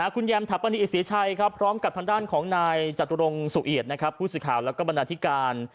คุณแยมถัปนีอิศิชัยพร้อมกับทางด้านของนายจตุรงสุเอียดผู้สิทธิ์ข่าวและก็บรรณาธิการ